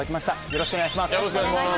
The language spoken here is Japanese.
よろしくお願いします